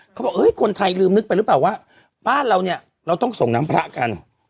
เขาบอกคนไทยลืมนึกไปหรือเปล่าว่าบ้านเราเนี่ยเราต้องส่งน้ำพระกัน